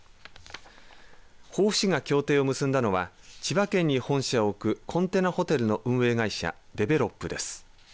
防府市が協定を結んだのは千葉県に本社を置くコンテナホテルの運営会社デベロップです。